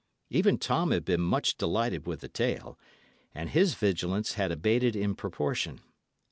Even Tom had been much delighted with the tale, and his vigilance had abated in proportion.